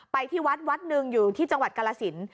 ไปที่วัดวัดหนึ่งอยู่ที่จังหวัดกรสิน